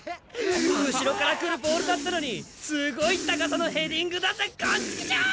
後ろから来るボールだったのにすごい高さのヘディングだぜこんちくしょう！